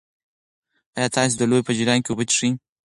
ایا تاسي د لوبې په جریان کې اوبه څښئ؟